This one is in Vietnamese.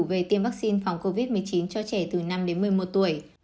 về tiêm vaccine phòng covid một mươi chín cho trẻ từ năm đến một mươi một tuổi